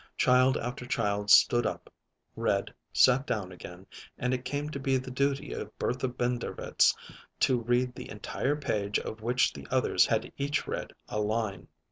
Child after child stood up, read, sat down again, and it came to be the duty of Bertha Binderwitz to read the entire page of which the others had each read a line.